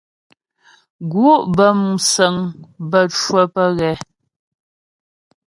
Gǔ' bə́ músəŋ bə́ cwə́ pə́ ghɛ.